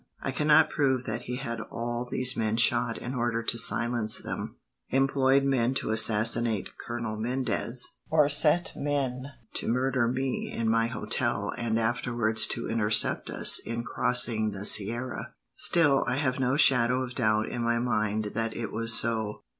I cannot prove that he had all these men shot in order to silence them, employed men to assassinate Colonel Mendez, or set men to murder me in my hotel and afterwards to intercept us in crossing the sierra. Still, I have no shadow of doubt in my mind that it was so.